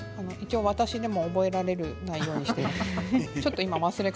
私でも覚えられる単位にしています。